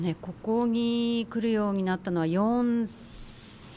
ここに来るようになったのは４歳。